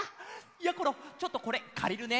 やころちょっとこれかりるね。